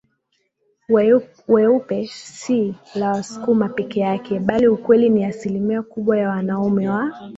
weupe si la Wasukuma peke yake bali ukweli ni asimilia kubwa ya wanaume wa